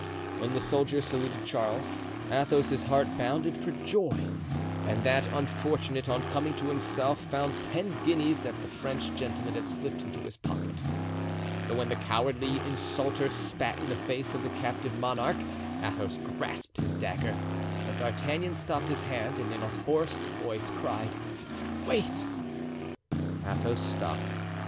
When the soldier saluted Charles, Athos's heart bounded for joy; and that unfortunate, on coming to himself, found ten guineas that the French gentleman had slipped into his pocket. But when the cowardly insulter spat in the face of the captive monarch Athos grasped his dagger. But D'Artagnan stopped his hand and in a hoarse voice cried, "Wait!" Athos stopped.